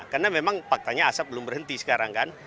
karena memang faktanya asap belum berhenti sekarang kan